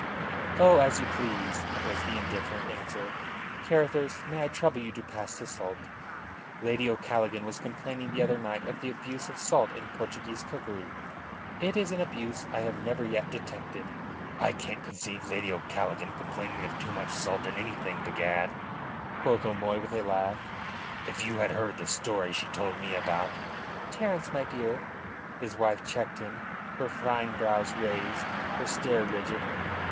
"Oh, as you please," was the indifferent answer. "Carruthers, may I trouble you to pass the salt? Lady O'Callaghan was complaining the other night of the abuse of salt in Portuguese cookery. It is an abuse I have never yet detected." "I can't conceive Lady O'Callaghan complaining of too much salt in anything, begad," quoth O'Moy, with a laugh. "If you had heard the story she told me about " "Terence, my dear!" his wife checked him, her fine brows raised, her stare frigid.